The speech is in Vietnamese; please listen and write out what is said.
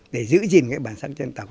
để giữ gìn cái bản sắc dân tộc